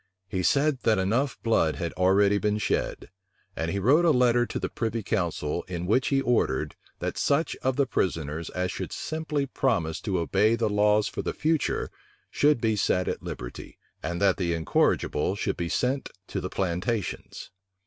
He said, that blood enough had already been shed; and he wrote a letter to the privy council, in which he ordered, that such of the prisoners as should simply promise to obey the laws for the future, should be set at liberty, and that the incorrigible should be sent to the plantations.